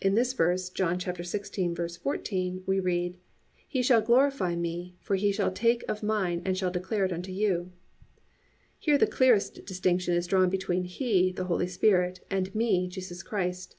In this verse, John 16:14, we read: +"He shall glorify me: for He shall take of mine, and shall declare it unto you."+ Here the clearest distinction is drawn between He, the Holy Spirit, and Me, Jesus Christ.